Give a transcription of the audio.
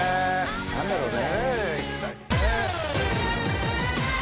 何でだろうね？